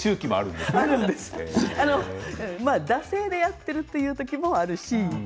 惰性でやっているという時もあるし